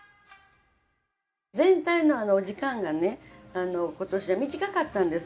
全体のお時間がね今年は短かったんです。